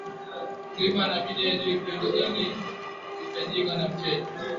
Mkulima anabidi ajue kiwango gani uhitajika na mteja